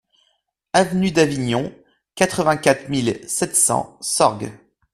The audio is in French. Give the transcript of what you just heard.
Avenue d'Avignon, quatre-vingt-quatre mille sept cents Sorgues